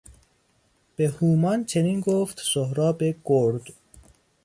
به هومان چنین گفت سهراب گرد...